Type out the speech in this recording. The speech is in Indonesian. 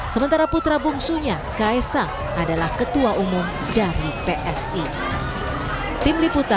sementara putra bungsunya kaisang adalah ketua umum dari psi